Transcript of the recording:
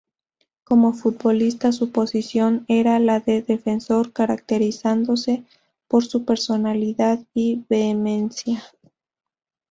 Como futbolista, su posición era la de defensor, caracterizándose por su personalidad y vehemencia.